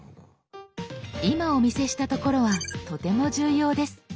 今お見せしたところはとても重要です。